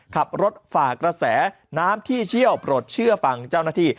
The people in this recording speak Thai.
ขับรถฝ่ากระแสน้ำที่เชี่ยวปลดเชื่อฟังเจ้าหน้าที่